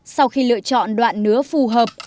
sau khi lựa chọn đoạn nứa phù hợp